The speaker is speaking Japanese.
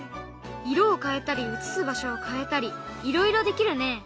色を変えたり映す場所を変えたりいろいろできるね！